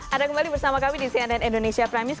ada kembali bersama kami di cnn indonesia prime news